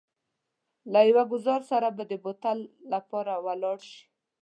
له يو ګوزار سره به د تل لپاره ولاړ شئ.